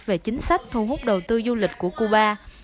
về chính sách thu hút đầu tư du lịch của cuba